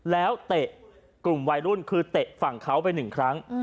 แล้วเตะกลุ่มวัยรุ่นคือเตะฝั่งเขาไปหนึ่งครั้ง